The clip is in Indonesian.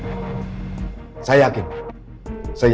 orang orang akan terjadi apa